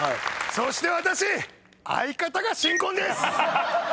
そして私相方が新婚です！